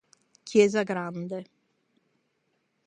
Chiesa Grande